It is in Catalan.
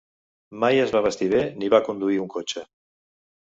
Mai es va vestir bé ni va conduir un cotxe.